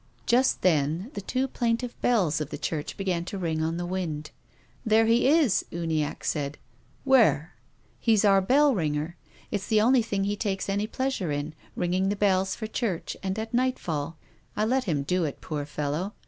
Just then the two plaintive bells of the church began to ring on the wind. " There he is !" Uniacke said. "Where?" " He's our bell ringer. It's the only thing he takes any pleasure in, ringing the bells for church and at nightfall. I let him do it, poor fellow.